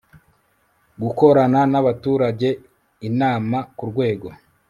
Gukorana n abaturage inama ku rwego